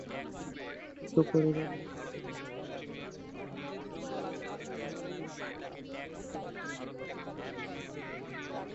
বিক্ষোভকারীরা জানিয়েছেন, গতকাল সন্ধ্যায় জেরুজালেমে আল-আকসা মসজিদে যাওয়ার পথে বাধা দেয় ইসরায়েলি পুলিশ।